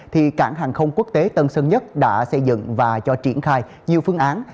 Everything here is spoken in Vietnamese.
thì cảng hàng không quốc tế tân sơn nhất đã xây dựng và cho triển khai nhiều phương án